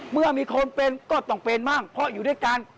เมื่อมีคนเป็นก็ต้องเป็นมั่งเพราะอยู่ด้วยกัน